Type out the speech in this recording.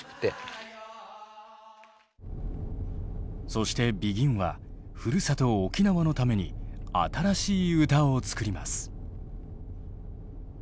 そしてＢＥＧＩＮはふるさと沖縄のために新しい歌を作ります。